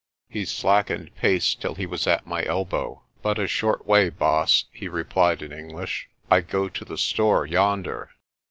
He slackened pace till he was at my elbow. "But a short way, Baas," he replied in English ; "I go to the store yonder."